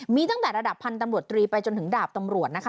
มีตั้งแต่ระดับพันธุ์ตำรวจตรีไปจนถึงดาบตำรวจนะคะ